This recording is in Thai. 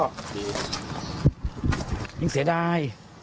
อันนี้เหมือนเสียดาย